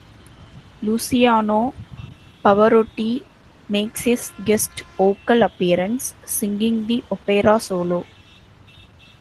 Luciano Pavarotti makes a guest vocal appearance, singing the opera solo.